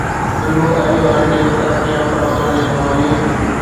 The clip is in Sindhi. فلمون اهڙيون آهن جيڪي ترقي يافته هجڻ جي باوجود